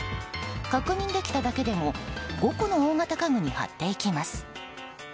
確認できただけでも５個の大型家具に貼っていきます。